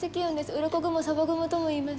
うろこ雲さば雲ともいいます。